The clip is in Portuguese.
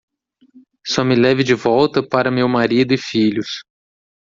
Só me leve de volta para meu marido e filhos.